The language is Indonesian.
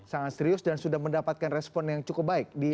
sangat serius dan sudah mendapatkan respon yang cukup baik